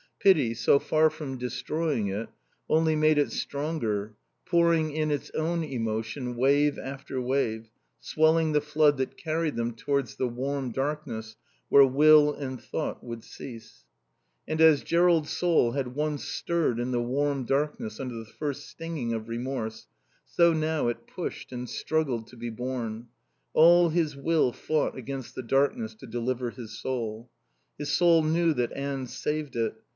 Pity, so far from destroying it, only made it stronger, pouring in its own emotion, wave after wave, swelling the flood that carried them towards the warm darkness where will and thought would cease. And as Jerrold's soul had once stirred in the warm darkness under the first stinging of remorse, so now it pushed and struggled to be born; all his will fought against the darkness to deliver his soul. His soul knew that Anne saved it.